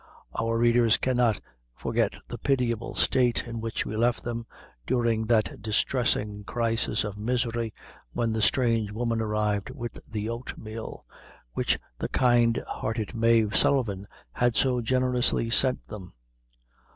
Our readers cannot forget the pitiable state in which we left them, during that distressing crisis of misery, when the strange woman arrived with the oat meal, which the kind hearted Mave Sullivan had so generously sent them.